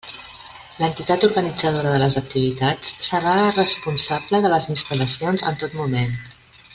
L'entitat organitzadora de les activitats serà la responsable de les instal·lacions en tot moment.